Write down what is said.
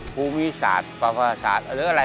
ภูมิศาสตร์ปราภาษาสตร์หรืออะไร